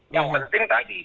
yang penting tadi